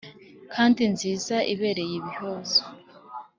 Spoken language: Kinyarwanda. kandi nziza ibereye ibihozo.